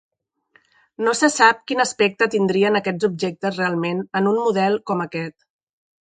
No se sap quin aspecte tindrien aquests objectes realment en un model com aquest.